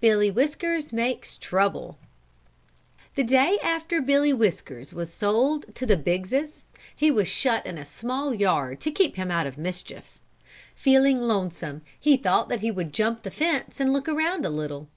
Billy Whiskers Makes Trouble The day after Billy Whiskers was sold to the Biggses he was shut in a small yard to keep him out of mischief. Feeling lonesome, he thought that he would jump the fence and look around a little.